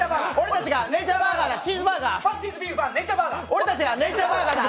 俺たちがネイチャーバーガーだ！